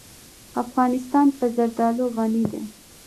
افغانستان په زردالو غني دی.